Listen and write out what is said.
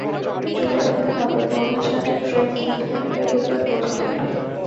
চলে যেতে হবে, পৌনে ছয়টার ট্রেন মিনিটখানেকের ভিতর পৌছে যাবে।